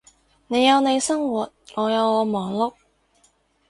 你有你生活，我有我忙碌